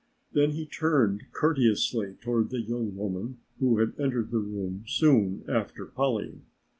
Then he turned courteously toward the young woman who had entered the room soon after Polly.